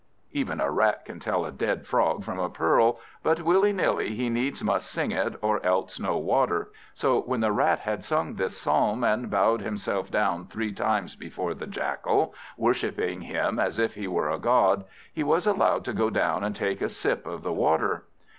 Even a Rat can tell a dead Frog from a pearl, but willy nilly he needs must sing it, or else no water. So when the Rat had sung this psalm, and bowed himself down three times before the Jackal, worshipping him as if he were a God, he was allowed to go down and take a sip of the water.